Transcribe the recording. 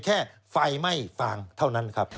แค่ไฟไหม้ฟางเท่านั้นครับ